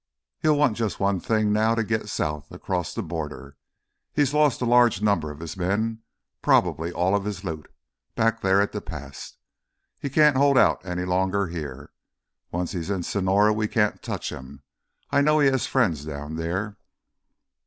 He'll want just one thing now, to get south, across the border. He's lost a large number of his men, probably all of his loot, back there at the pass. He can't hold out here any longer. Once he's into Sonora we can't touch him—I know he has friends down there."